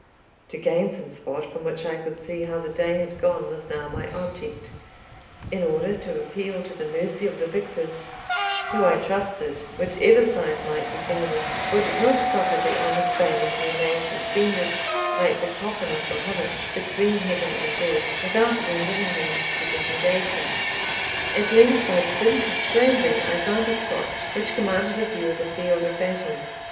To gain some spot from which I could see how the day had gone was now my object, in order to appeal to the mercy of the victors, who, I trusted (whichever side might be gainers), would not suffer the honest Bailie to remain suspended, like the coffin of Mahomet, between heaven and earth, without lending a hand to disengage him. At length, by dint of scrambling, I found a spot which commanded a view of the field of battle.